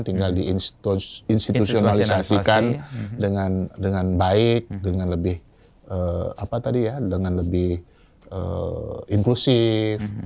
tinggal diinstitusionalisasikan dengan baik dengan lebih apa tadi ya dengan lebih inklusif